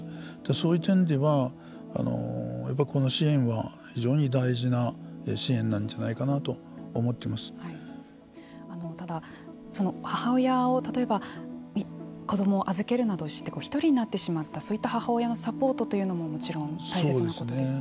そういう点ではやっぱりこの支援は非常に大事な支援なんじゃないかなとただ、その母親を例えば、子どもを預けるなどして一人になってしまったそういった母親のサポートももちろん大切なことですよね。